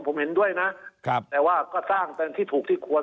ผมเห็นด้วยนะครับแต่ว่าก็สร้างเป็นที่ถูกที่ควร